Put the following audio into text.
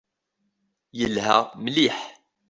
Yelha mliḥ.